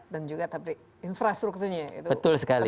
dan juga infrastrukturnya itu penting sekali